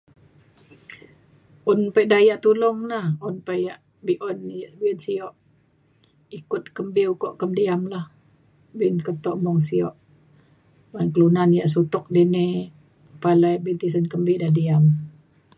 Un pi daya tulung un pa ya be'un sio' ikut kembi iko kending lah bin keto' bin sio' kelunan ya suto' dini palai pi tisen dini ya diam.